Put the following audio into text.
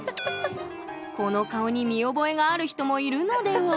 この顔に見覚えがある人もいるのでは？